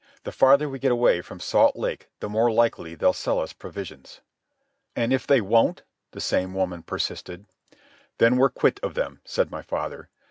The farther we get away from Salt Lake the more likely they'll sell us provisions." "And if they won't?" the same woman persisted. "Then we're quit of them," said my father.